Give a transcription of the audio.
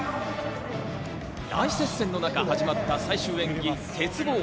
大接戦の中、始まった最終演技、鉄棒。